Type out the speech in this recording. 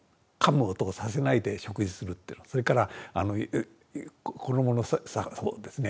それから衣の作法ですね